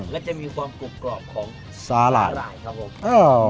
และจะมีความกรุบกรอบของสาหร่ายสาหร่ายครับผม